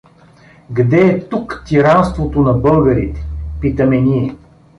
Где е тук тиранството на българите, питаме ние?